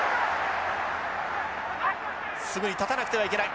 すぐに立たなくてはいけない。